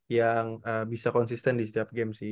yang bisa konsisten di setiap game sih